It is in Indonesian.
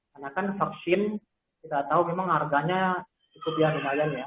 karena kan vaksin kita tahu memang harganya cukup ya lumayan ya